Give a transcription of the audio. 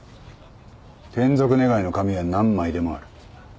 転属願の紙は何枚でもある。